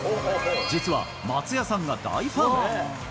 実は、松也さんが大ファン。